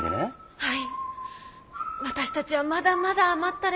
はい。